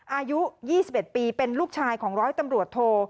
อายุ๒๑ปีเป็นลูกชายของร้อยตำรวจโท